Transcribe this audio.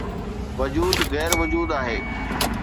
وجود غير موجود آهي